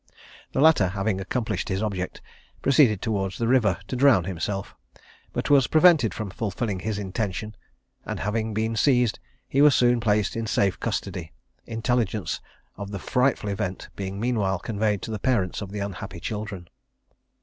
The latter, having accomplished his object, proceeded towards the river to drown himself, but was prevented from fulfilling his intention; and having been seized, he was soon placed in safe custody, intelligence of the frightful event being meanwhile conveyed to the parents of the unhappy children.